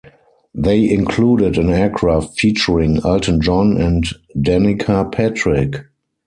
They included an aircraft featuring Elton John and Danica Patrick.